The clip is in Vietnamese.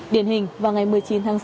điển hình vào ngày một mươi chín tháng sáu